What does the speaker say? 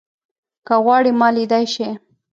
که غواړې ما ليدای شې